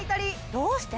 どうして？